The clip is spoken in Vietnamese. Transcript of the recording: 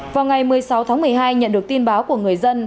vào ngày một mươi sáu tháng một mươi hai nhận được tin báo của người dân